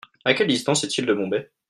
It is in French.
À quelle distance est-il de Bombay ?